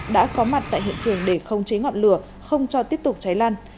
đã có mặt tại hiện trường để không cháy ngọn lửa không cho tiếp tục cháy lan